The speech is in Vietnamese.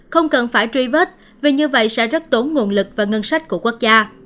không cần phải truy vết vì như vậy sẽ rất tốn nguồn lực và ngân sách của quốc gia